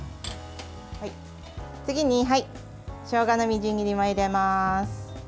次に、しょうがのみじん切りも入れます。